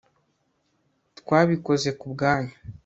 twabikoze kubwanyu